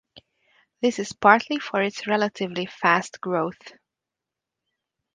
This is partly for its relatively fast growth.